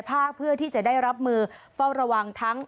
ฮัลโหลฮัลโหลฮัลโหล